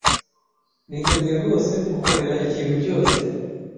Niteguye rwose kugukorera ikintu cyose.